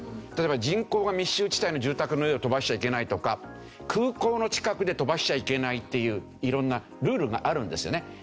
例えば人口が密集地帯の住宅の上を飛ばしちゃいけないとか空港の近くで飛ばしちゃいけないっていう色んなルールがあるんですよね。